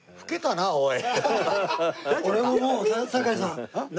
俺ももう堺さん。